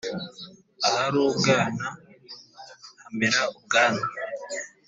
ahari ubwana hamere ubwanwa